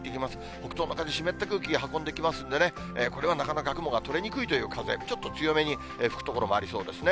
北東の風、湿った空気運んできますんでね、これはなかなか雲が取れにくいという風、ちょっと強めに吹く所もありそうですね。